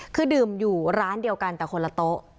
คือดื่มอยู่ร้านเดียวกันแต่คนละโต๊ะ